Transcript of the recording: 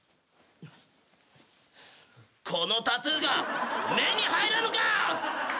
このタトゥーが目に入らぬか！？